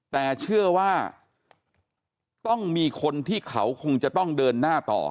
แต่เชื่อว่าต้องมีคนที่เขาคงจะต้องเดินหน้าต่อ